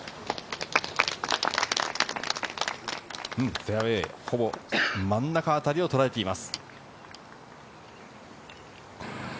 フェアウエー、ほぼ真ん中あたりをとらえています。